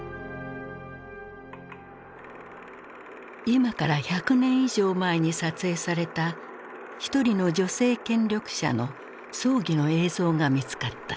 今から１００年以上前に撮影された１人の女性権力者の葬儀の映像が見つかった。